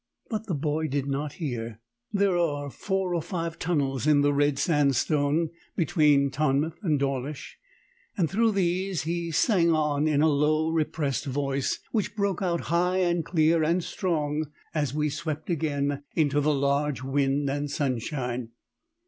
But the boy did not hear. There are four or five tunnels in the red sandstone between Teignmouth and Dawlish, and through these he sang on in a low repressed voice, which broke out high and clear and strong as we swept again into the large wind and sunshine.